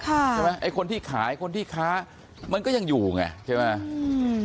ใช่ไหมไอ้คนที่ขายคนที่ค้ามันก็ยังอยู่ไงใช่ไหมอืม